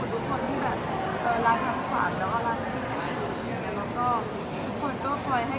ที่รักทันฝันและรักทีใหม่